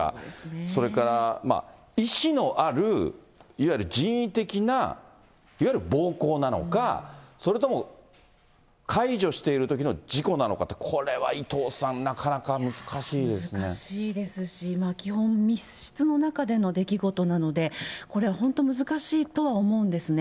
それから意思のある、いわゆる人為的ないわゆる暴行なのか、それとも介助しているときの事故なのかって、これは伊藤さん、な難しいですし、基本、密室の中での出来事なので、これは本当、難しいと思うんですね。